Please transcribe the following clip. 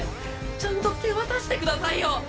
⁉ちゃんと手渡してくださいよ！